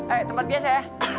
eh tempat biasa ya